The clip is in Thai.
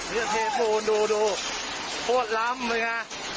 เทปูนดูโคตรล้ำเลยค่ะ